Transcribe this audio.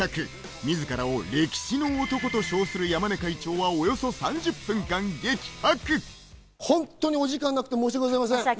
自らを「歴史の男」と称する山根会長はおよそ３０分間、激白。